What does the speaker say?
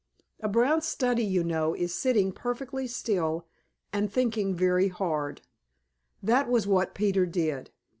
A brown study, you know, is sitting perfectly still and thinking very hard. That was what Peter did.